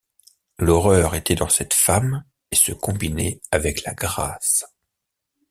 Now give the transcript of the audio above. L’horreur était dans cette femme et se combinait avec la grâce.